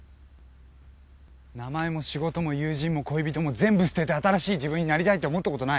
名前も仕事も友人も恋人も全部捨てて新しい自分になりたいって思ったことない？